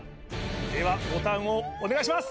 ではボタンをお願いします！